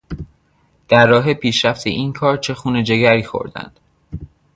در راه پیشرفت این کار چه خون جگری خوردند.